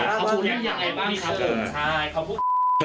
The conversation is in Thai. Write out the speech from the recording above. เขาพูดอย่างยังไงบ้างคือ